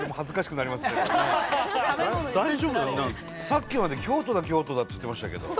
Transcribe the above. さっきまで「京都だ京都だ」って言ってましたけど。